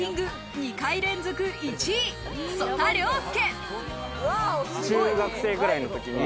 ２回連続１位、曽田陵介。